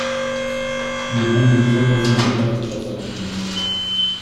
Die Gemeinde wird heute von der Landwirtschaft dominiert.